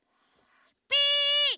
ピ！